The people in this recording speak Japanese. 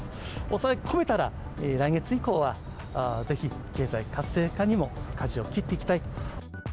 抑え込めたら、来月以降はぜひ経済活性化にもかじを切っていきたいと。